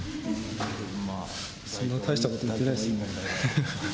そんな大したことは言ってないですよ。